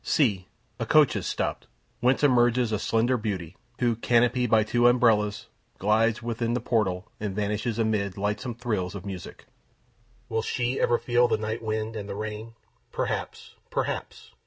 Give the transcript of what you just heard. See! a coach has stopped, whence emerges a slender beauty, who, canopied by two umbrellas, glides within the portal, and vanishes amid lightsome thrills of music. Will she ever feel the night wind and the rain? Perhaps, perhaps!